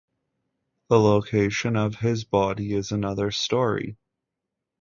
The location of his body is another story.